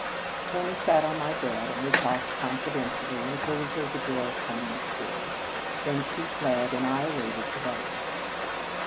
Tony sat on my bed, and we talked confidentially until we heard the girls coming up stairs. Then she fled, and I awaited developments.